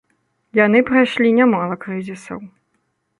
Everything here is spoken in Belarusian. Яны прайшлі нямала крызісаў.